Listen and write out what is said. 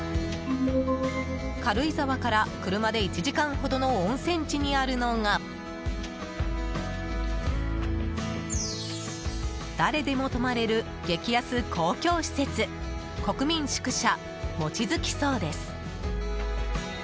軽井沢から車で１時間ほどの温泉地にあるのが誰でも泊まれる激安公共施設国民宿舎もちづき荘です。